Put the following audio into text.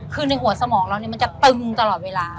คือในหัวสมองเรามันจะตึงตลอดเวลา